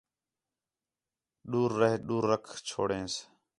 ݙور رہ ݙور رکھ چھوڑینس